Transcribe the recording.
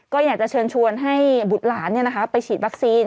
ก็อยากจะเชิญชวนให้บุตรหลานไปฉีดวัคซีน